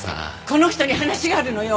この人に話があるのよ。